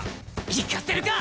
行かせるか！